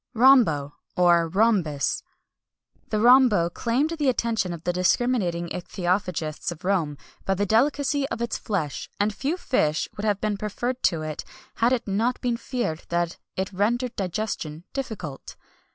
RHOMBO, OR, RHOMBUS. The rhombo claimed the attention of the discriminating ichthyophagists of Rome by the delicacy of its flesh, and few fish would have been preferred to it had it not been feared that it rendered digestion difficult.